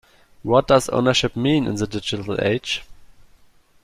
What does ownership mean in the digital age?